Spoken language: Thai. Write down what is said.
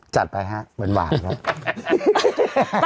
จัดไปฮะเว้นหวานครับ